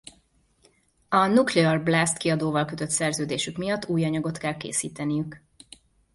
A Nuclear Blast kiadóval kötött szerződésük miatt új anyagot kell készíteniük.